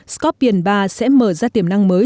scorpion ba sẽ mở ra tiềm năng mới